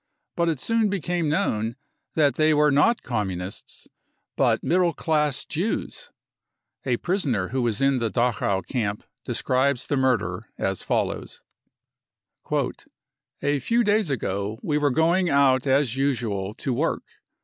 But it soon became known that they were not Communists, but middle class Jews. A prisoner who was in the Dachau camp describes the murder as follows :" A few days ago we were going out as usual to work.